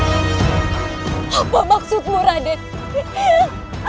sejak pertama kali kita bertemu